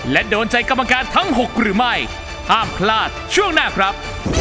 และโดนใจกรรมการทั้ง๖หรือไม่ห้ามพลาดช่วงหน้าครับ